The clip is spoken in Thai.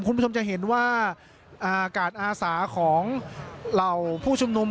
คุณผู้ชมจะเห็นว่าการอาสาของเหล่าผู้ชุมนุม